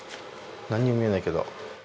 何も見えないけど。